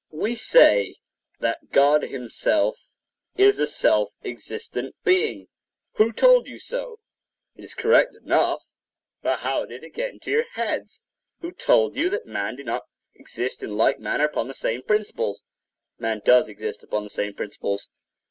We say that God himself is a self existent being. Who told you so? It is correct enough; but how did it get into you heads? Who told you that man did not exist in like manner upon the same principles? Man does exist upon the same principles.